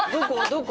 どこ？